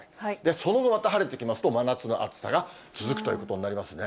その後また晴れてきますと、真夏の暑さが続くということになりますね。